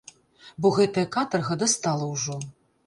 Бо гэтая катарга дастала ўжо!